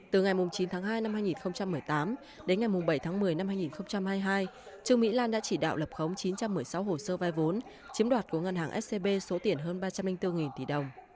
từ ngày chín tháng hai năm hai nghìn một mươi tám đến ngày bảy tháng một mươi năm hai nghìn hai mươi hai trương mỹ lan đã chỉ đạo lập khống chín trăm một mươi sáu hồ sơ vai vốn chiếm đoạt của ngân hàng scb số tiền hơn ba trăm linh bốn tỷ đồng